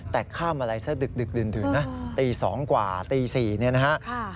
แต่ข้ามอะไรสักดึกดื่นนะตี๒กว่าตี๔เนี่ยนะฮะ